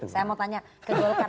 saya mau tanya ke golkar